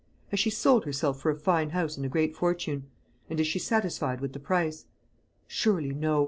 Has she sold herself for a fine house and a great fortune, and is she satisfied with the price? Surely no.